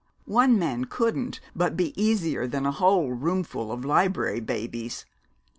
One man couldn't but be easier than a whole roomful of library babies.